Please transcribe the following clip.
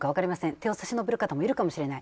手を差し伸べる方もいるかもしれない。